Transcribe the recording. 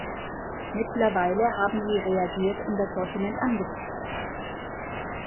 Mittlerweile haben sie reagiert und das Sortiment angepasst.